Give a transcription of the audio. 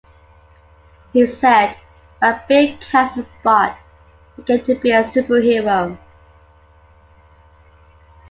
He said, about being cast as Bot, I get to be a superhero.